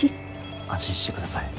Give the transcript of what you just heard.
安心して下さい。